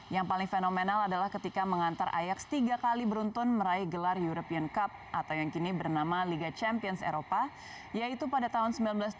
yang paling fenomenal adalah ketika mengantar ajax tiga kali beruntun meraih gelar european cup atau yang kini bernama liga champions eropa yaitu pada tahun seribu sembilan ratus tujuh puluh satu seribu sembilan ratus tujuh puluh tiga